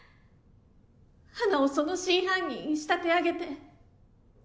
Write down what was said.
花をその真犯人に仕立て上げて。